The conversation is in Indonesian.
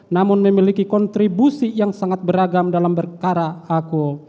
namun memiliki kontribusi yang sangat beragam dalam berkara aku